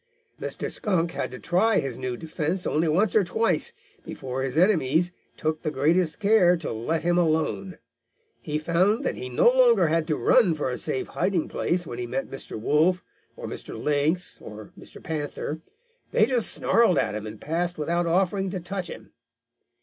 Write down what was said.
"Mr. Skunk had to try his new defence only once or twice before his enemies took the greatest care to let him alone. He found that he no longer had to run for a safe hiding place when he met Mr. Wolf or Mr. Lynx or Mr. Panther. They just snarled at him and passed without offering to touch him.